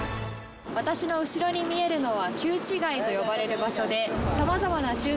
私の後ろに見えるのは旧市街と呼ばれる場所で。